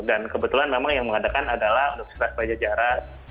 dan kebetulan memang yang mengadakan adalah universitas bajajara